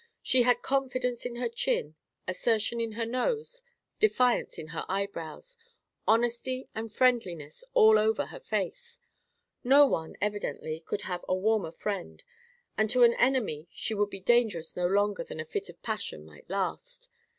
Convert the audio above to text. She had confidence in her chin, assertion in her nose, defiance in her eyebrows, honesty and friendliness over all her face. No one, evidently, could have a warmer friend; and to an enemy she would be dangerous no longer than a fit of passion might last.